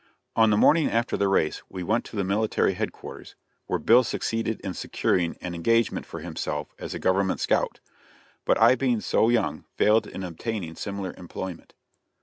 On the morning after the race we went to the military headquarters, where Bill succeeded in securing an engagement for himself as a government scout, but I being so young failed in obtaining similar employment.